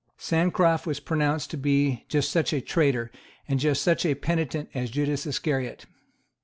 Sancroft was pronounced to be just such a traitor and just such a penitent as Judas Iscariot.